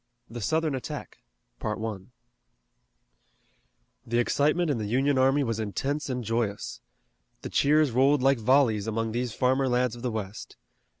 THE SOUTHERN ATTACK The excitement in the Union army was intense and joyous. The cheers rolled like volleys among these farmer lads of the West.